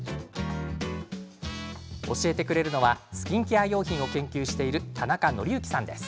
教えてくれるのはスキンケア用品を研究している田中紀行さんです。